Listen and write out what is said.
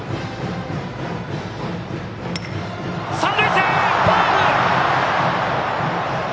三塁線、ファウル！